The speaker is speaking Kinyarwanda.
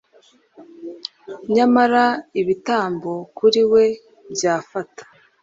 Nyamara, ibitambo, kuri we byafata